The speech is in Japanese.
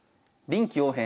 「臨機応変！」。